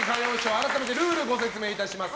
改めてルールをご説明します。